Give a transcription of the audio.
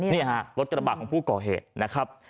นี่ฮะรถกระบะของผู้ก่อเหตุนะครับ